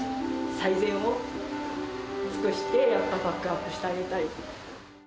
最善を尽くしてやっぱバックアップしてあげたい。